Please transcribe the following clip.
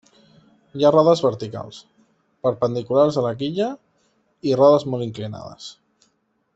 Hi ha rodes verticals, perpendiculars a la quilla i rodes molt inclinades.